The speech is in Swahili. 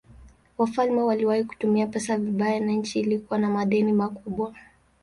Wafalme waliwahi kutumia pesa vibaya na nchi ilikuwa na madeni makubwa.